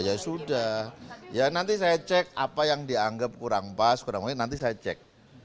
ya sudah ya nanti saya cek apa yang dianggap kurang pas kurang lebih nanti saya cek